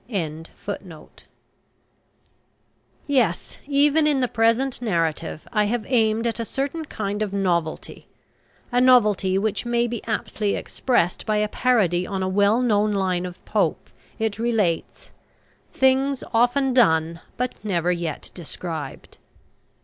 ] Yes, even in the present narrative, I have aimed at a certain kind of novelty a novelty which may be aptly expressed by a parody on a well known line of Pope; it relates: "Things often done, but never yet described."